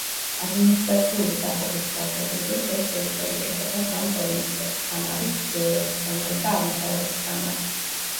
ადმინისტრაციული დაყოფის თვალსაზრისით ეს ტერიტორია იყოფა სამ პროვინციად: სამარი, ჩრდილოეთი სამარი და აღმოსავლეთი სამარი.